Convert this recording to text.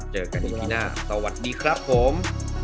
เจอกันอีกทีหน้าสวัสดีครับผม